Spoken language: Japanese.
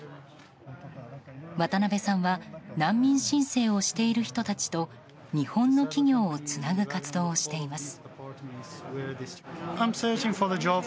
渡部さんは難民申請をしている人たちと日本の企業をつなぐ活動をしています。